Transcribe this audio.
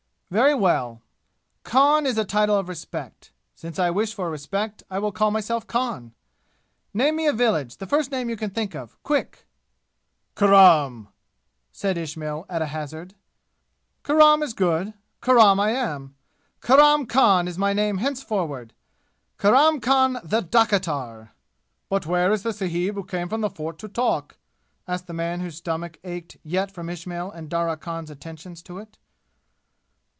"Very well. Khan is a title of respect. Since I wish for respect, I will call myself Khan. Name me a village the first name you can think of quick!" "Kurram," said Ismail, at a hazard. "Kurram is good. Kurram I am! Kurram Khan is my name henceforward! Kurram Khan the dakitar!" "But where is the sahib who came from the fort to talk?" asked the man whose stomach ached yet from Ismail and Darya Khan's attentions to it.